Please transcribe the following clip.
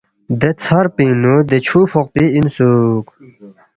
دے ژھر پِنگ نُو دے چُھو فوقپی اِنسُوک